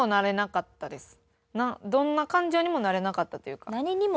どんな感情にもなれなかったというか。